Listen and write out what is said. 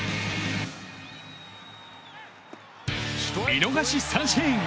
見逃し三振！